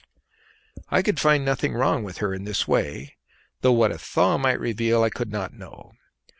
I could find nothing wrong with her in this way, though what a thaw might reveal I could not know.